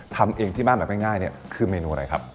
ทำเองที่บ้านแบบง่ายเนี่ยคือเมนูอะไรครับ